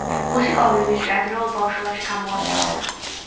მუსიკალური ნიჭი ადრეულ ბავშვობაში გამოამჟღავნა.